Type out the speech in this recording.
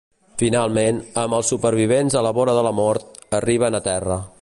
Finalment, amb els supervivents a la vora de la mort, arriben a terra.